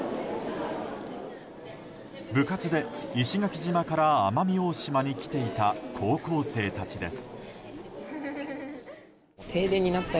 部活で石垣島から奄美大島に来ていた高校生たちです。